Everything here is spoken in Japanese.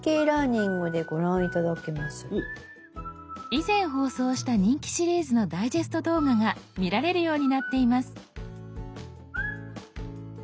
以前放送した人気シリーズのダイジェスト動画が見られるようになっています。